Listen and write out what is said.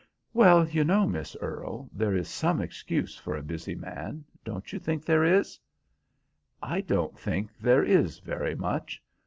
"Well, you know, Miss Earle, there is some excuse for a busy man. Don't you think there is?" "I don't think there is very much.